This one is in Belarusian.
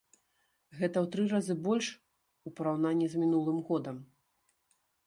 Гэта ў тры разы больш у параўнанні з мінулым годам.